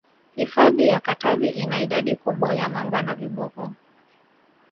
hifadhi ya katavi ina idadi kubwa ya mamba na viboko